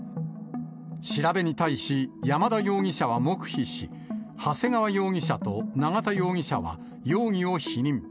調べに対し、山田容疑者は黙秘し、長谷川容疑者と永田容疑者は容疑を否認。